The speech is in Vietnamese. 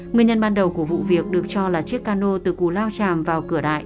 nguyên nhân ban đầu của vụ việc được cho là chiếc cano từ cù lao tràm vào cửa đại